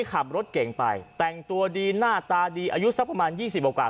ขับรถเก่งไปแต่งตัวดีหน้าตาดีอายุสักประมาณ๒๐กว่า